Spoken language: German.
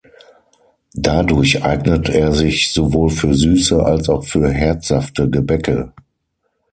Dadurch eignet er sich sowohl für süße als auch für herzhafte Gebäcke.